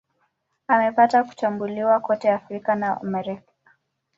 Amepata kutambuliwa kote Afrika na Amerika.